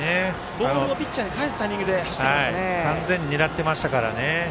ボールをピッチャーに返すタイミングで完全に狙ってましたからね。